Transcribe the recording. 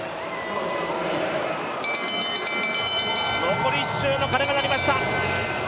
残り１周の鐘が鳴りました。